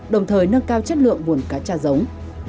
đồng thời nâng cao chất lượng muộn cà cha giống